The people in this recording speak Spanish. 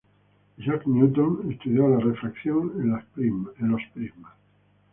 Isaac Newton estudió la refracción en los prismas.